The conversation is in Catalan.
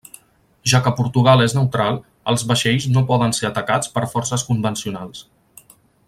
Ja que Portugal és neutral, els vaixells no poden ser atacats per forces convencionals.